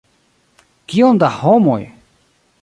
Kiom da homoj!